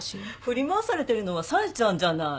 振り回されてるのは冴ちゃんじゃない。